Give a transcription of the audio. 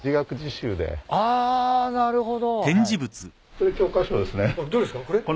これ教科書ですね。